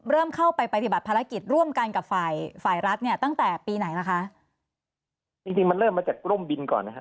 เริ่มเข้าไปปฏิบัติภารกิจร่วมกันกับฝ่ายฝ่ายรัฐเนี่ยตั้งแต่ปีไหนล่ะคะจริงจริงมันเริ่มมาจากร่มบินก่อนนะคะ